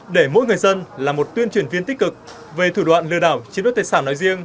để mỗi người dân là một tuyên truyền viên tích cực về thủ đoạn lừa đảo chiếm đoạt tài sản nói riêng